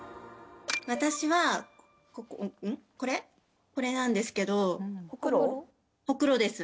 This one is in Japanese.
私はこれこれなんですけどホクロ？